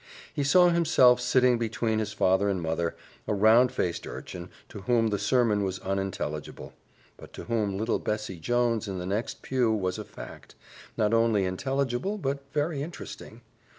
He saw himself sitting between his father and mother, a round faced urchin to whom the sermon was unintelligible, but to whom little Bessie Jones in the next pew was a fact, not only intelligible, but very interesting.